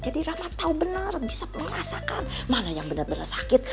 jadi ramah tau bener bisa merasakan mana yang bener bener sakit